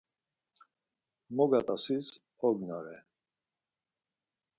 Mogat̆asis ognare.